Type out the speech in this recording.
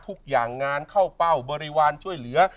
ทุกอย่างงานเข้าเป้าบริวารช่วยเหลือ